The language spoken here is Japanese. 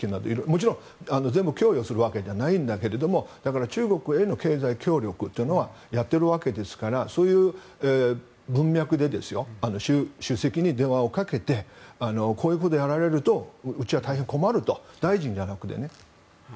もちろん全部供与するわけじゃないけどだから、中国への経済協力はやっているわけですからそういう文脈で習主席に電話をかけてこういうことをやられるとうちは大変困ると大臣じゃなくてね。